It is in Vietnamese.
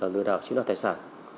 lừa đảo chiếm đoát tài sản